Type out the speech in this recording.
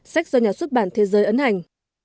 sách do nhà xuất bản thế giới ấn hành